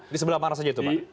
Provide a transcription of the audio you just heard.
di sebelah mana saja itu pak